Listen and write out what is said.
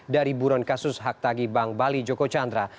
dari buron kasus hak tagi bank bali joko chandra